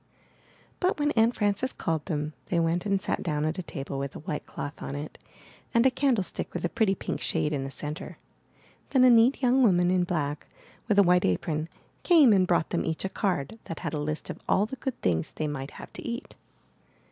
But when Aunt Frances called them, they went and sat down at a table with a white cloth on it, and a candle stick with a pretty pink shade in the centre. Then a neat young woman in black, with a white apron, came and brought them each a card that had a list of all the good things they might have to eat.